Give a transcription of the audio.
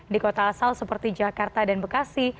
di kota asal seperti jakarta dan bekasi